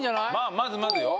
まずまずよ